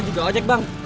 ya makasih bang